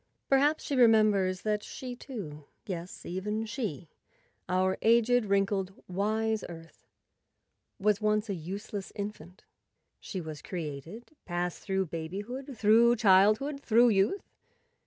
Perhaps she re¬ members that she, too—yes, even she, our aged, wrinkled, wise Earth—was once a useless infant. She was created, passed through babyhood, through childhood, through youth.